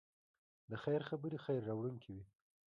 د خیر خبرې خیر راوړونکی وي.